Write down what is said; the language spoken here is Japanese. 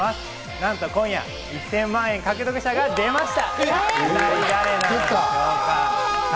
なんと今夜１０００万円獲得者が出ました！